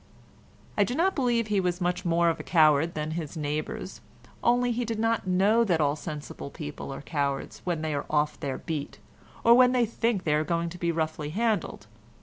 I do not believe he was much more of a coward than his neighbours, only he did not know that all sensible people are cowards when they are off their beat, or when they think they are going to be roughly handled.